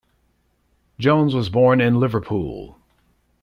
Jones was born in Liverpool.